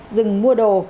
dừng mua đồ